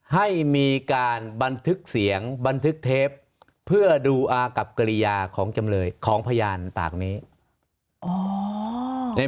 ให้มีการบันทึกเสียงบันทึกเทปเพื่อดูอากับกริยาของจำเลยของพยานปากนี้